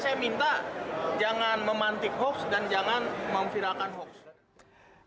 saya minta jangan memantik hoaks dan jangan memviralkan hoaks